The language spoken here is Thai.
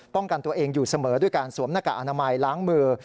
กันตัวเองอยู่เสมอด้วยการสวมหน้ากากอนามัยล้างมือ